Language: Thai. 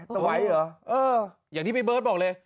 ไหวเหรอเอออย่างที่พี่เบิร์ตบอกเลย